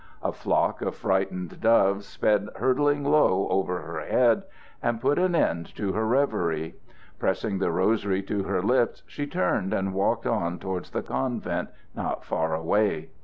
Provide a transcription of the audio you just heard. A flock of frightened doves sped hurtling low over her head, and put an end to her reverie. Pressing the rosary to her lips, she turned and walked on towards the convent, not far away.